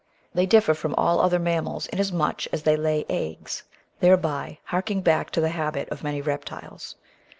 They differ from all other mammals inasmuch as they lay eggs, thereby harking back to the habit of many reptiles.